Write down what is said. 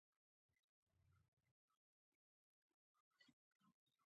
افغانستان مشخص جعرافیايی حدود درلودلي.